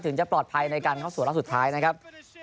จะปลอดภัยในการเข้าสู่รอบสุดท้ายนะครับ